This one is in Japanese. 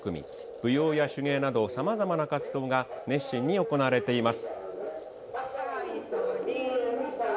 舞踊や手芸などさまざまな活動が熱心に行われています。